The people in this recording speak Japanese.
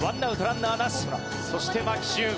そして牧秀悟。